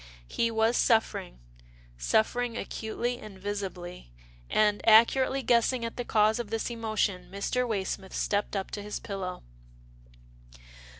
He was suffering — suffering acutely and visibly, and, accurately guessing at the cause of this emotion, Mr. Way smith stepped up to his pillow.